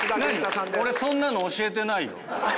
俺そんなの教えてないよ。